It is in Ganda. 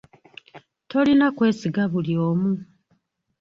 Tolina kwesiga buli omu.